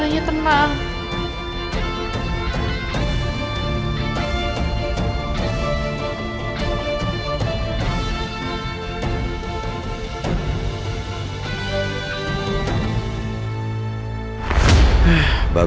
aku gak mau paham raja